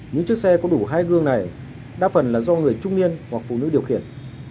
những chiếc xe có đủ hai gương này đa phần là do người trung niên hoặc phụ nữ điều khiển